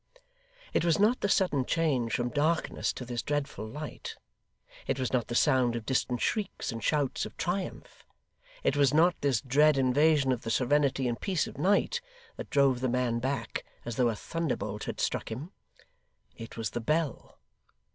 It was not the sudden change from darkness to this dreadful light, it was not the sound of distant shrieks and shouts of triumph, it was not this dread invasion of the serenity and peace of night, that drove the man back as though a thunderbolt had struck him. It was the Bell.